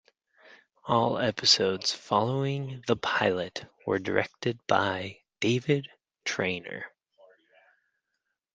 All episodes following the pilot were directed by David Trainer.